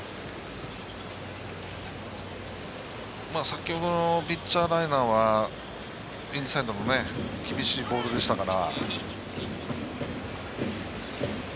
先ほどのピッチャーライナーはインサイドの厳しいボールでしたから。